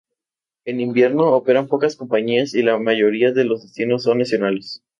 En invierno operan pocas compañías y la mayoría de los destinos son nacionales.